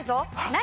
「何？